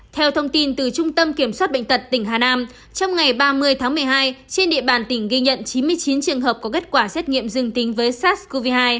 theo thông tin từ trung tâm kiểm soát bệnh tật tỉnh hà nam trong ngày ba mươi tháng một mươi hai trên địa bàn tỉnh ghi nhận chín mươi chín trường hợp có kết quả xét nghiệm dương tính với sars cov hai